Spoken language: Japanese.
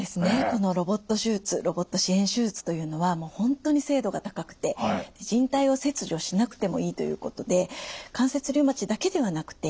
このロボット支援手術というのは本当に精度が高くて人体を切除しなくてもいいということで関節リウマチだけではなくて変形性関節症